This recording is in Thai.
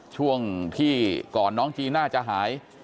ช่วงที่ก่อนน้องจีน่าจะหาย